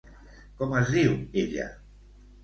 Com es diu, ella?